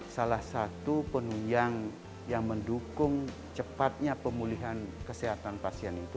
salah satu penunjang yang mendukung cepatnya pemulihan kesehatan pasien itu